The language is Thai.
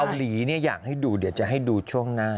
หลีอยากให้ดูเดี๋ยวจะให้ดูช่วงหน้า